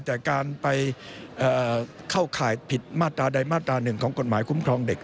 แต่การไปเข้าข่ายผิดมาตราใดมาตรา๑ของกฎหมายคุ้มครองเด็ก